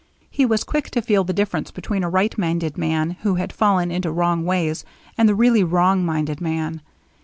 He was quick to feel the difference between a right minded man who has fallen into wrong ways and the really wrong minded man.